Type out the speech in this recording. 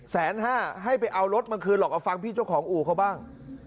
แสนห้าให้ไปเอารถมาคืนหรอกเอาฟังพี่เจ้าของอู่เขาบ้าง